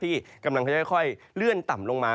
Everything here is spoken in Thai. ที่กำลังจะค่อยเลื่อนต่ำลงมา